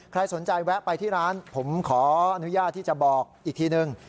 ใครสนใจแวะไปที่ร้านผมขออนุญาตที่จะบอกอีกทีนึง